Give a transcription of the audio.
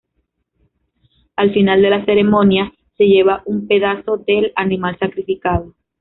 Al final de la ceremonia se lleva un pedazo del animal sacrificado.